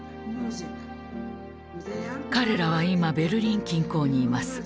彼らは今ベルリン近郊にいます。